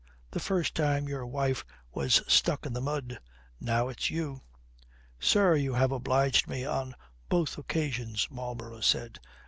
The first time your wife was stuck in the mud. Now it's you." "Sir, you have obliged me on both occasions," Marlborough said.